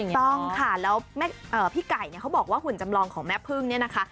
ต้องค่ะแล้วพี่ไก่เนี่ยเขาบอกว่าหุ่นจำลองของแม่พึ่งเนี่ยนะคะ